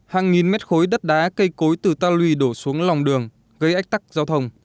hàng nghìn mét khối đất đá cây cối từ ta lùi đổ xuống lòng đường gây ách tắc giao thông